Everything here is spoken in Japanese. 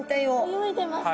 泳いでますね。